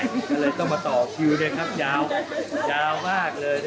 ก็เลยต้องมาต่อคิวด้วยครับยาวยาวมากเลย